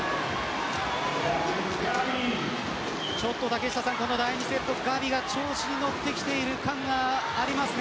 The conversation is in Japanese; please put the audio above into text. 竹下さん、この第２セットガビが調子に乗ってきている感があります。